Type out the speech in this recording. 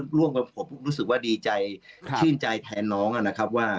ร่วมกับผมรู้สึกว่าดีใจชื่นใจแทนน้องนะครับว่า